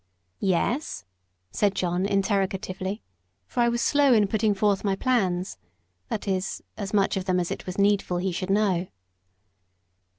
"Yes?" said John, interrogatively; for I was slow in putting forth my plans that is, as much of them as it was needful he should know.